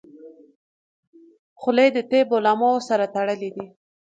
خولۍ د طب علماو سره تړلې ده.